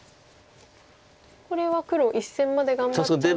これは黒１線まで頑張っちゃうと。